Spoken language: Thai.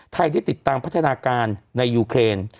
ที่ติดตามพัฒนาการในยูเครน